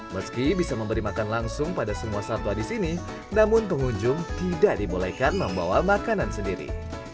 meski bisa memberi makan langsung pada semua satwa di sini namun pengunjung tidak dibolehkan membawa makanan sendiri